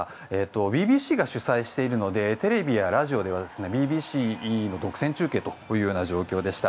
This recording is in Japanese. ＢＢＣが主催しているのでテレビやラジオではＢＢＣの独占中継というような状況でした。